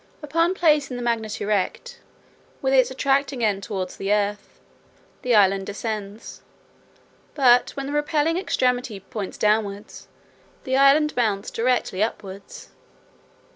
Upon placing the magnet erect, with its attracting end towards the earth, the island descends; but when the repelling extremity points downwards, the island mounts directly upwards.